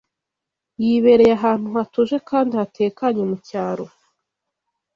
yibereye ahantu hatuje kandi hatekanye mu cyaro,